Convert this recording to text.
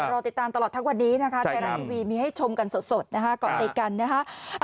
รอติดตามตลอดทั้งวันนี้ใจรังอีวีมีให้ชมกันสดนะฮะก่อนไปกันนะฮะ